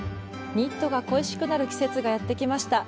ニットが恋しくなる季節がやってきました。